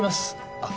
あっ。